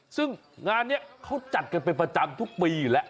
ซึ่งงานนี้เขาจัดกันเป็นประจำทุกปีอยู่แล้ว